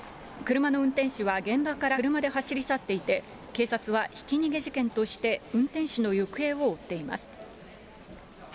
車の運転手は現場から車で走り去っていて、警察はひき逃げ事件として運転手の行方を追っています。